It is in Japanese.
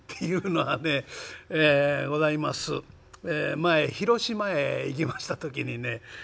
前広島へ行きました時にね